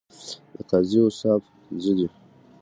د قاضی اوصاف پنځه دي.